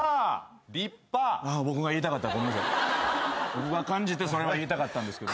僕が感じてそれを言いたかったんですけど。